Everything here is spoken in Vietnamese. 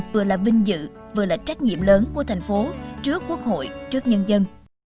vừa là vinh dự vừa là trách nhiệm lớn của thành phố trước quốc hội trước nhân dân